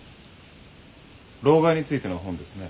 労咳についての本ですね。